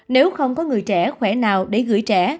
nếu không có người trẻ khỏe nào để gửi trẻ